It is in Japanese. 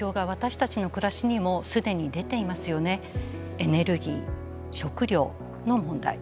エネルギー食料の問題。